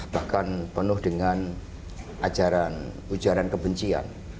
bahkan penuh dengan ajaran ujaran kebencian